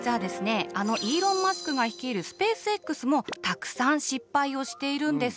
あのイーロン・マスクが率いるスペースＸもたくさん失敗をしているんです。